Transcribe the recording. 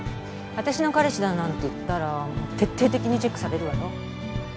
私の彼氏だなんて言ったら徹底的にチェックされるわよ。